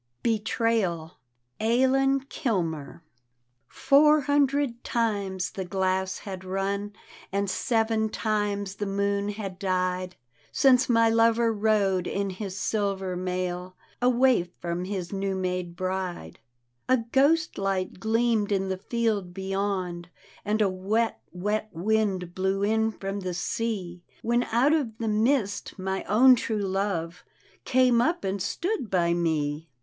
D,gt,, erihyGOOgle BETRAYAL : aune kilmer Four hundred times the glass had run And seven times the moon had died Since my lover rode in his silver mail Away from his new made bride. A ghost light gleamed in the field beyond And a wet, wet wind blew in from the si When out of the mist my own true love Came up and stood by me.